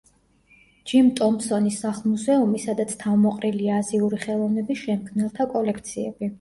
ჯიმ ტომპსონის სახლ-მუზეუმი, სადაც თავმოყრილია აზიური ხელოვნების შემქმნელთა კოლექციები.